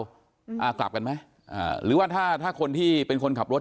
เกือบไปกันค่ะหรือว่าถ้าคนที่เป็นคนขับรถ